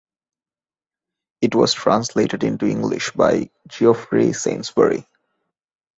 It was translated into English by Geoffrey Sainsbury.